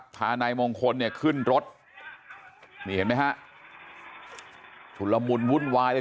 พานายมงคลคึ่นรถนี่เห็นมั้ยฮะชุดละมูลวุ่นวาย